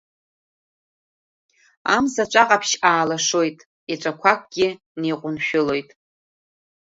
Амза ҵәаҟаԥшь аалашоит, еҵәақәакгьы неиҟәыншәылоит.